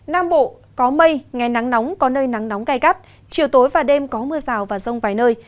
nam bộ có mây ngày nắng nóng có nơi nắng nóng gai gắt chiều tối và đêm có mưa rào và rông vài nơi